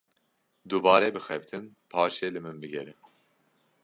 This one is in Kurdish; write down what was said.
Dubare bixebitin paşê li min bigere.